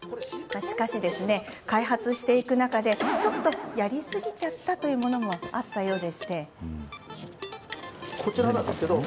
しかし、開発していく中でちょっと、やりすぎてしまったものもあったそうで。